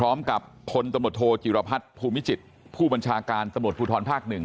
ซ้ำกับคนตะหมดโทจิรพัทธ์ภูมิจิตผู้บัญชาการตะหมดภูทรภาคหนึ่ง